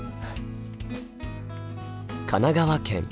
神奈川県